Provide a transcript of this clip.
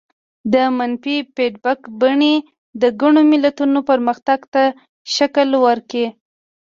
د منفي فیډبک بڼې د ګڼو ملتونو پرمختګ ته شکل ورکړ.